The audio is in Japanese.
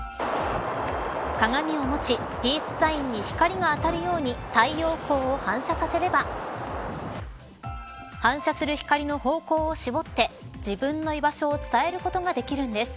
鏡を持ちピースサインに光が当たるように太陽光を反射させれば反射する光の方向を絞って自分の居場所を伝えることができるんです。